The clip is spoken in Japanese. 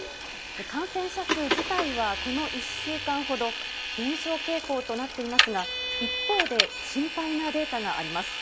感染者数自体はこの１週間ほど、減少傾向となっていますが、一方で、心配なデータがあります。